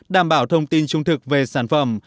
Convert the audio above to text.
đảm bảo thông tin trung thực về sản phẩm